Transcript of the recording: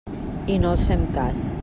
I no els fem cas.